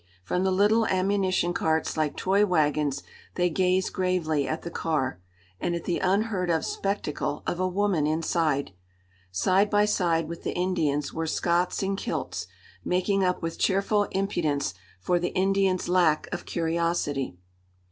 From the little ammunition carts, like toy wagons, they gazed gravely at the car, and at the unheard of spectacle of a woman inside. Side by side with the Indians were Scots in kilts, making up with cheerful impudence for the Indians' lack of curiosity.